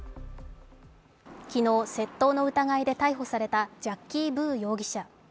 昨日、窃盗の疑いで逮捕されたジャッキー・ブー容疑者。